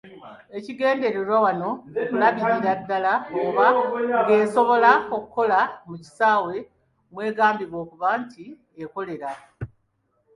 Ekigendererwa wano kulabira ddala oba ng'esobola okukola mu kisaawe mw’egambibwa okuba nti ekolera.